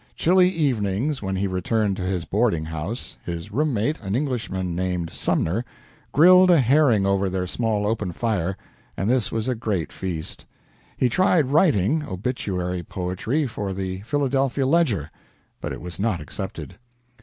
Chilly evenings, when he returned to his boarding house, his room mate, an Englishman named Sumner, grilled a herring over their small open fire, and this was a great feast. He tried writing obituary poetry, for the "Philadelphia Ledger" but it was not accepted.